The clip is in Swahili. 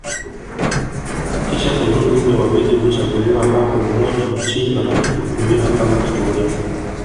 Kisha kondoo dume wawili huchaguliwa ambapo mmoja huchinjwa na kutumiwa kama kitoweo